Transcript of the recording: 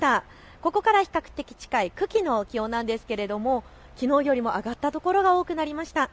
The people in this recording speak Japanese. ここから比較的近い久喜の気温なんですけれどきのうよりも上がったところが多くなりました。